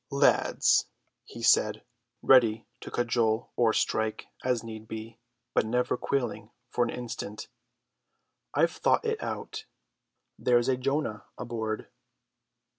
"Lads," he said, ready to cajole or strike as need be, but never quailing for an instant, "I've thought it out. There's a Jonah aboard."